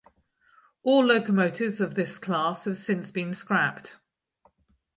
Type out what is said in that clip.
All locomotives of this class have since been scrapped.